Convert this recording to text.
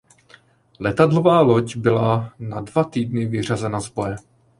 Letadlová loď byla na dva týdny vyřazena z boje.